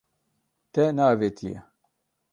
Te neavêtiye.